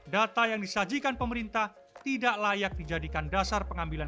data yang disajikan pemerintah tidak layak dijadikan dasar pengambilan